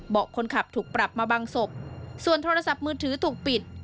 คนขับถูกปรับมาบางศพส่วนโทรศัพท์มือถือถูกปิด